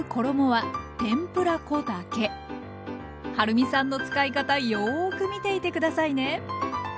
はるみさんの使い方よく見ていて下さいね。